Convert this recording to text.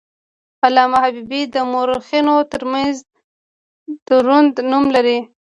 علامه حبیبي د مورخینو ترمنځ دروند نوم لري.